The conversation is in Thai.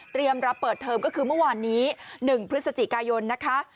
รับเปิดเทอมก็คือเมื่อวานนี้๑พฤศจิกายนนะคะ